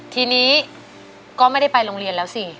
ทีนี้ก็ไม่ได้ไปโรงเรียนแล้วสิ